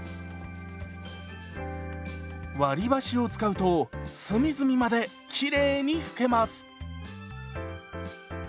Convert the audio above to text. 割り箸を使うと隅々まできれいに拭けます。